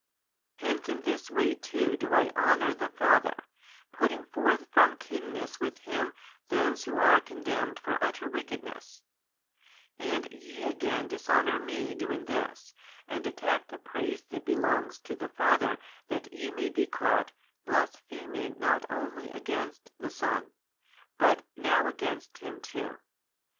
Hence in this way too do I honour the Father, putting forth from kinness with Him those who are condemned for utter wickedness; and YE again dishonour Me doing this, and attack the praise that belongs to the Father that ye may be caught, blaspheming not only against the Son, but now against Him too.